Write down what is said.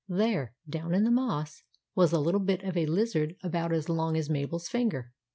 There, down in the moss, was a little bit of a lizard about as long as Mabel's finger.